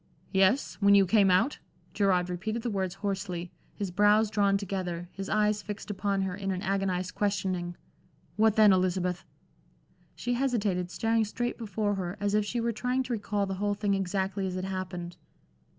"Yes when you came out?" Gerard repeated the words hoarsely, his brows drawn together, his eyes fixed upon her in an agonized questioning. "What then, Elizabeth?" She hesitated, staring straight before her, as if she were trying to recall the whole thing exactly as it happened.